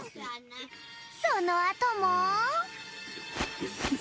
そのあとも。